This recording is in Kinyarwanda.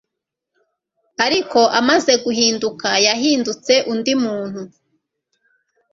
Ariko amaze guhindt>ka, yahindutse undi muntu.